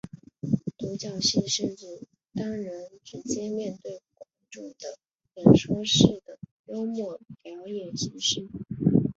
独角戏是指单人直接面对观众的演说式的幽默表演形式。